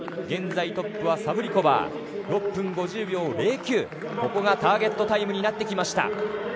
現在トップはサブリコバー６分５０秒０９、ここがターゲットタイムになってきました。